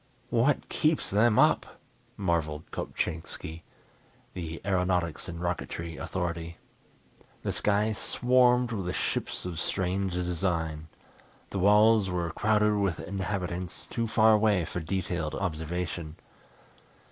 "What keeps them up!" marvelled Kopchainski, the aeronautics and rocketry authority. The sky swarmed with ships of strange design. The walls were crowded with inhabitants, too far away for detailed observation.